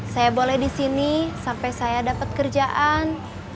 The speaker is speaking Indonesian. saya boleh di sini sampai saya dapat kerjaan